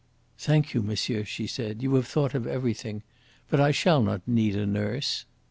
"Thank you, monsieur," she said; "you have thought of everything. But I shall not need a nurse."